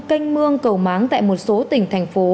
canh mương cầu máng tại một số tỉnh thành phố